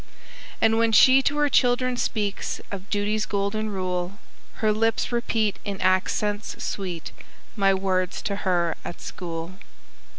"And when she to her children speaks Of duty's golden rule, Her lips repeat in accents sweet, My words to her at school."